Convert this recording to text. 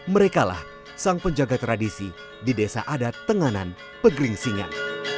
merekalah sang penjaga tradisi di desa adat tenganan pegering singan